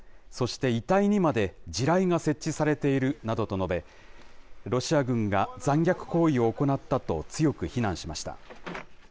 そして遺体にまで地雷が設置されているなどと述べ、ロシア軍が残虐行為を行ったと強く非難しました。